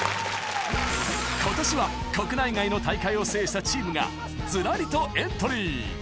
今年は国内外の大会を制したチームがずらりとエントリー！